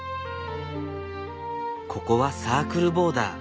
ここはサークルボーダー。